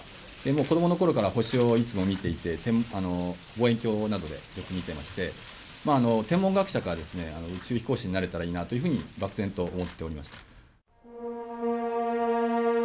子どもの頃から星をいつも見ていて望遠鏡などでよく見てまして天文学者か宇宙飛行士になれたらいいなと漠然と思っておりました。